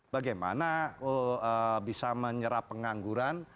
bagaimana bisa menyerah pengangguran